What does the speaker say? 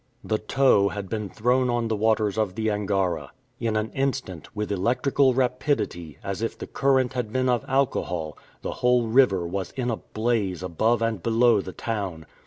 The tow had been thrown on the waters of the Angara. In an instant, with electrical rapidity, as if the current had been of alcohol, the whole river was in a blaze above and below the town.